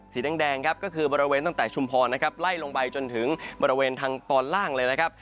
สีแดงครับก็คือบริเวณตั้งแต่ชุมพรนะครับไล่ลงไปจนถึงบริเวณทางตอนล่างเลยนะครับ